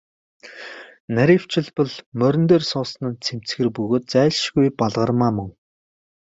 Нарийвчилбал, морин дээр суусан нь цэмцгэр бөгөөд зайлшгүй Балгармаа мөн.